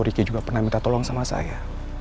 ricky juga pernah minta tolong sama saya